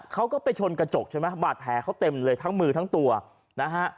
เขาก็ไปชนกระจกใช่ไหมบาดแผลเขาเต็มเลยทั้งมือทั้งตัวนะฮะ